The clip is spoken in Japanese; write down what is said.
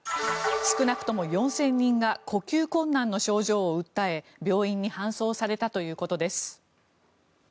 少なくとも４０００人が呼吸困難の症状を訴え病院に搬送されたということです。